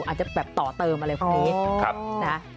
อาจจะแบบต่อเติมอะไรพวกนี้นะ